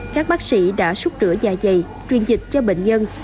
các bác sĩ đã xúc rửa da dày truyền dịch cho bệnh nhân